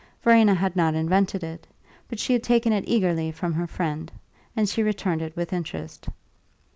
Verena had not invented it, but she had taken it eagerly from her friend, and she returned it with interest.